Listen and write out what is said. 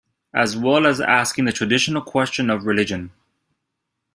As well as asking the traditional question of Religion?